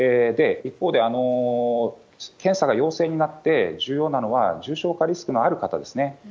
一方で、検査が陽性になって、重要なのは、重症化リスクのある方ですね。